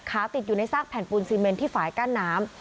ติดอยู่ในซากแผ่นปูนซีเมนที่ฝ่ายกั้นน้ำ